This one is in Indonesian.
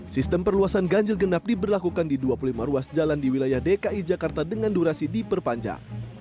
sistem perluasan ganjil genap diberlakukan di dua puluh lima ruas jalan di wilayah dki jakarta dengan durasi diperpanjang